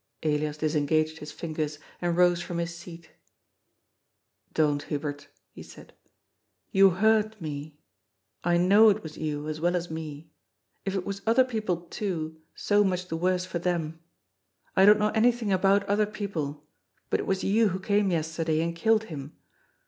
Elias disengaged his fingers and rose from his seat. " Don't, Hubert," he said. " You hurt me. I know it was you, as well as me. If it was other people too, so much the worse for them. I don't know anything about other people. But it was you who came yesterday and killed him.